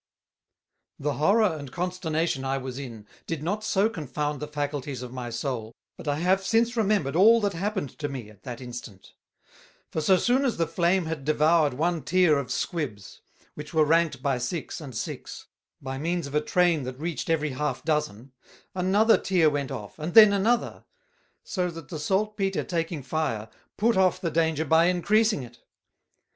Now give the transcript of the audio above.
The Horror and Consternation I was in did not so confound the faculties of my Soul, but I have since remembered all that happened to me at that instant. For so soon as the Flame had devoured one tier of Squibs, which were ranked by six and six, by means of a Train that reached every half dozen, another tier went off, and then another; so that the Salt Peter taking Fire, put off the danger by encreasing it.